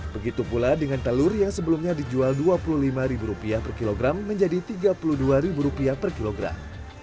begitu pula dengan telur yang sebelumnya dijual rp dua puluh lima per kilogram menjadi rp tiga puluh dua per kilogram